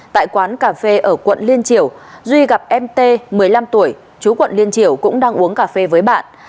tại quán cà phê ở quận liên triều duy gặp em t một mươi năm tuổi chú quận liên triều cũng đang uống cà phê với bạn